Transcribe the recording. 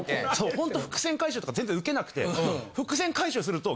ほんと伏線回収とか全然ウケなくて。